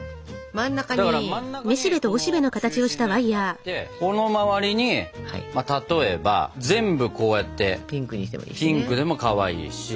真ん中にこの中心のやつがあってこの周りに例えば全部こうやってピンクでもかわいいし。